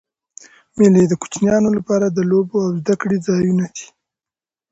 مېلې د کوچنيانو له پاره د لوبو او زدهکړي ځایونه دي.